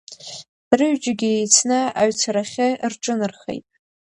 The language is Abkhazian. Рыҩџьагьы иеицны аҩцарахьы рҿынархеит.